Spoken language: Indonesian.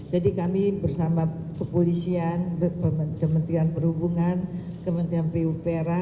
jadi kami bersama kepolisian kementerian perhubungan kementerian pupr